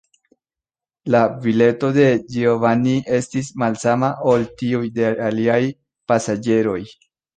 La bileto de Giovanni estis malsama ol tiuj de aliaj pasaĝeroj.